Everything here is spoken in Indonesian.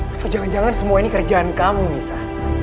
atau jangan jangan semua ini kerjaan kamu nisa